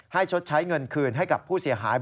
ชดใช้เงินคืนให้กับผู้เสียหาย